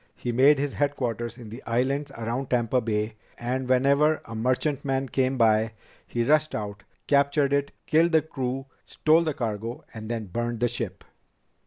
He made his headquarters in the islands around Tampa Bay, and whenever a merchantman came by, he rushed out, captured it, killed the crew, stole the cargo, and then burned the ship."